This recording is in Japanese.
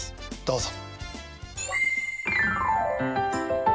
どうぞ。